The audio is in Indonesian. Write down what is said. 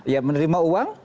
ya menerima uang